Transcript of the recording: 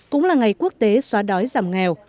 cũng là ngày quốc tế xóa đói giảm nghèo